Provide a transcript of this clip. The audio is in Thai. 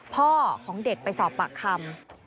พ่อของเด็กไปสอบปากคำ